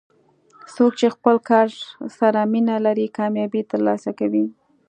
څوک چې خپل کار سره مینه لري، کامیابي ترلاسه کوي.